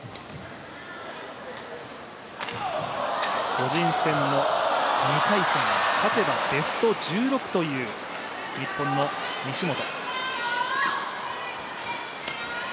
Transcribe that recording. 個人戦も２回戦も勝てばベスト１６という日本の西本。